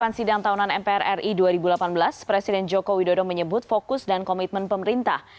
pada sidang tahunan mpr ri dua ribu delapan belas presiden joko widodo menyebut fokus dan komitmen pemerintah